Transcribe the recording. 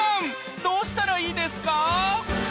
どうしたらいいですか？